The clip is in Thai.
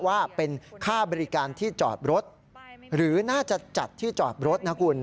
ว่าเป็นค่าบริการที่จอดรถหรือน่าจะจัดที่จอดรถนะคุณ